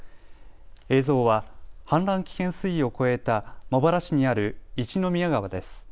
映像は氾濫危険水位を超えた茂原市にある一宮川です。